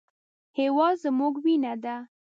هېواد زموږ وینه ده